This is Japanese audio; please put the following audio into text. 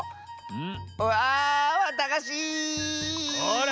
うん。